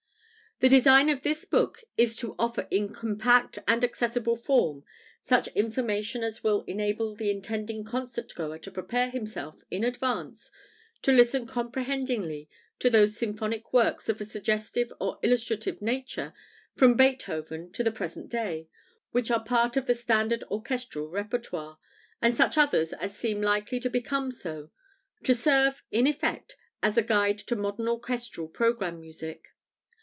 The design of this book is to offer in compact and accessible form such information as will enable the intending concert goer to prepare himself, in advance, to listen comprehendingly to those symphonic works of a suggestive or illustrative nature, from Beethoven to the present day, which are part of the standard orchestral repertoire, and such others as seem likely to become so to serve, in effect, as a guide to modern orchestral programme music.